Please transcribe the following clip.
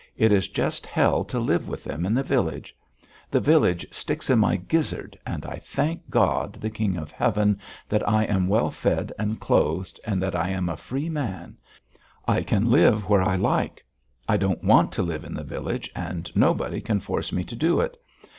It is just hell to live with them in the village. The village sticks in my gizzard, and I thank God, the King of heaven, that I am well fed and clothed, and that I am a free man; I can live where I like, I don't want to live in the village and nobody can force me to do it.